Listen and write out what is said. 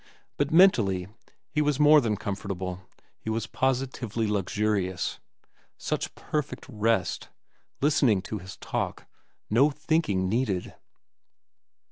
But mentally he was more than comfortable, he was positively luxurious. Such perfect rest, Listening to his talk. No thinking needed.